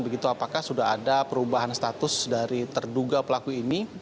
begitu apakah sudah ada perubahan status dari terduga pelaku ini